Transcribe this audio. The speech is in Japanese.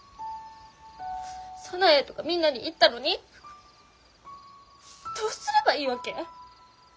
早苗とかみんなに言ったのにどうすればいいわけ？